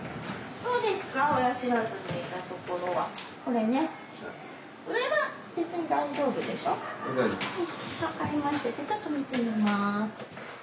じゃあちょっと見てみます。